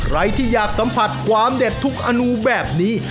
ใครที่อยากสัมผัสความเด็ดทุกอนูแบบนี้